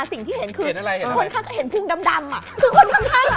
สิ่งที่เห็นคือคนข้างก็เห็นภูมิดำอะคือคนข้างอะ